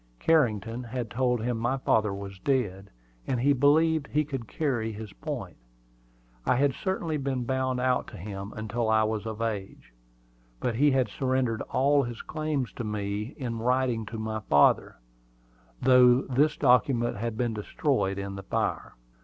Carrington had told him my father was dead, and he believed he could carry his point. I had certainly been bound out to him until I was of age; but he had surrendered all his claims to me in writing to my father, though this document had been destroyed in the fire.